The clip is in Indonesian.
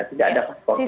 tidak ada faktor tunggal